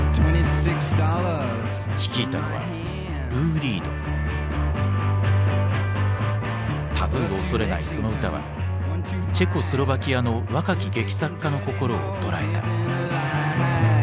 率いたのはタブーを恐れないその歌はチェコスロバキアの若き劇作家の心を捉えた。